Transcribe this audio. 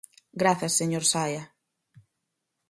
Grazas, señor Saia.